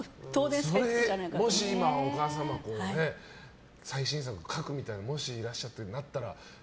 もし今、お母様が最新作を書くもし、いらっしゃってそうなったら。